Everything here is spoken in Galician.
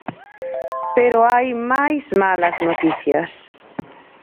Pero hai máis malas noticias.